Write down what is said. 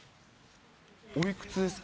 おいくつですか？